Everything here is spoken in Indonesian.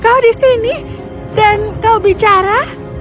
kau di sini dan kau bicara